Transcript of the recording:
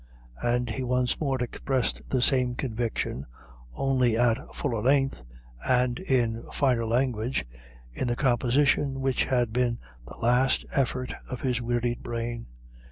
And he once more expressed the same conviction, only at fuller length and in finer language, in the composition which had been the last effort of his wearied brain.